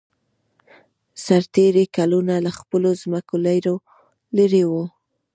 سرتېري کلونه له خپلو ځمکو لېرې وو